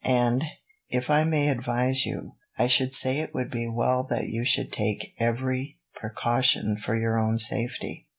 And, if I may advise you, I should say it would be well that you should take every precaution for your own safety.